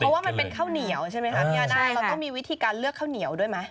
เพราะว่ามันเป็นข้าวเหนียวใช่ไหมคะพี่อาน่าเราต้องมีวิธีการเลือกข้าวเหนียวด้วยไหม